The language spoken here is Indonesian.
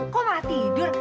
kok mau tidur